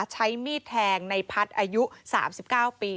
ใช้มีดแทงในพัฒน์อายุ๓๙ปี